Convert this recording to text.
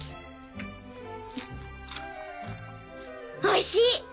おいしい！